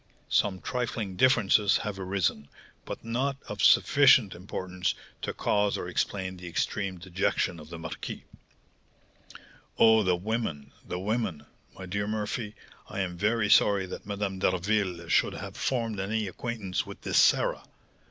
Some trifling differences have arisen, but not of sufficient importance to cause or explain the extreme dejection of the marquis." "Oh, the women! the women! My dear Murphy, I am very sorry that Madame d'Harville should have formed any acquaintance with this Sarah.